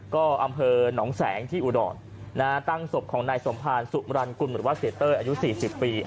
ก็อำเภอนำแสงที่อุดอ่อนนะฮะตั้งศพของนายสมภารสุมรรณกุลหมดวัดเศรษฐ์เต้ยอายุสี่สิบปี